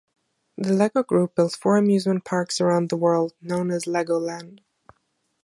The Lego Group built four amusement parks around the world, known as Legoland.